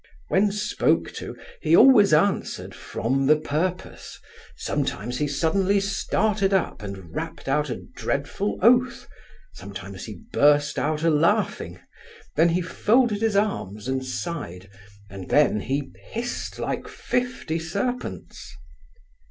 When spoke to, he always answered from the purpose sometimes he suddenly started up, and rapped out a dreadful oath sometimes he burst out a laughing then he folded his arms, and sighed and then, he hissed like fifty serpents.